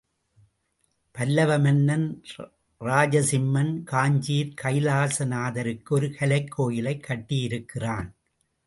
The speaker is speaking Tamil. பல்லவ மன்னன் ராஜசிம்மன் காஞ்சியில் கைலாச நாதருக்கு ஒரு கலைக் கோயிலைக் கட்டியிருக்கிறான்.